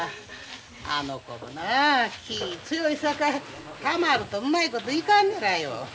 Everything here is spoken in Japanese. あの子もなあ気ぃ強いさかい田丸とうまいこといかんねらよ。